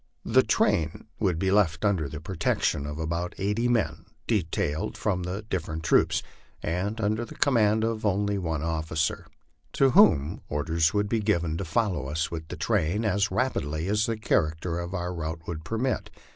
The train would be left under the protection of about eighty men detailed from the different troops, and under command of one officer, to whom orders would be given to follow us with the train as rapidly as the character of our route would permit.